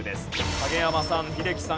影山さん英樹さん